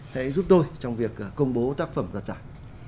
hãy giúp tôi trong việc công bố tác phẩm đoạt giải